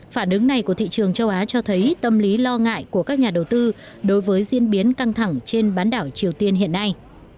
phản ứng này của thị trường châu á cho thấy tâm lý lo ngại của các nhà đầu tư đối với diễn biến căng thẳng trên bán đảo triều tiên hiện nay